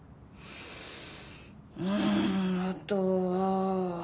うんあとは。